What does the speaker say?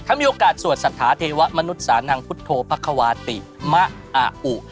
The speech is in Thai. ถ้ามีโอกาสสวดสถาเทวะมนุษย์สานางพุทธโภควาติมะอ่ะอุ